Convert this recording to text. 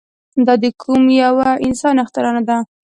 دا د کوم يوه انسان اختراع نه ده.